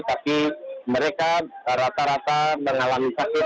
tapi mereka rata rata mengalami sakit